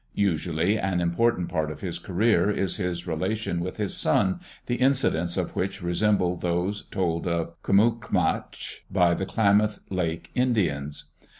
Usually an important part of his career is his rela tion with his son, the incidents of which resemble those told of Kmukamtch by the Klamath Lake Indians.